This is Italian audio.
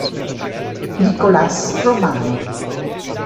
Nicolás Romano